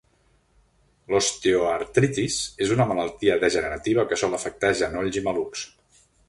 L'osteoartritis és una malaltia degenerativa que sol afectar genolls i malucs.